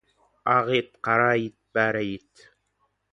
Ақ ит, қара ит — бәрі ит.